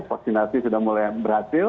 vaksinasi sudah mulai berhasil